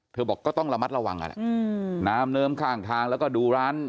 เธอบอกก็ต้องระมัดระวังน้ำเนิมข้างทางแล้วก็ดูร้าน